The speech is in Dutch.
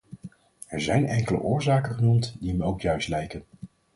Er zijn enkele oorzaken genoemd, die me ook juist lijken.